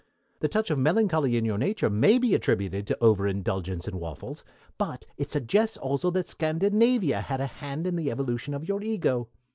The touch of melancholy in your nature may be attributed to overindulgence in waffles, but it suggests also that Scandinavia had a hand in the evolution of your Ego.